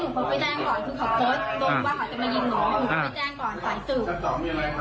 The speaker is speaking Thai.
หนูก็ไปแจ้งก่อนใส่สืบ